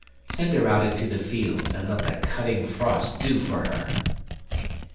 Send her out into the fields, and let the cutting frost do for her.